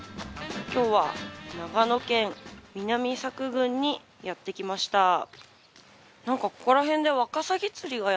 今日は長野県南佐久郡にやってきました。